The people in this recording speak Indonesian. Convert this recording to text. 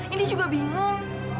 indi juga bingung